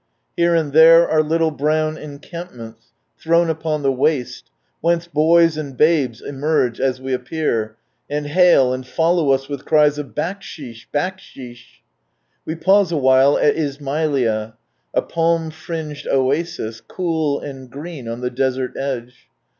Here and there, are little brown encampments, thrown upon the waste, whence boys and babes emerge, as we appear, and hail, and follow us with cries of "Backsheesh! Backsheesh !" We pause awhile at Ismaiha, a palm fringed oasis, cool, and green, on the desert edge.